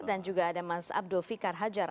dan juga ada mas abdul fikar hajar